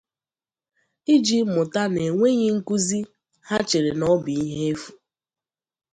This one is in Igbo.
Iji mụta na-enweghị nkuzi, ha chere na ọ bụ ihe efu.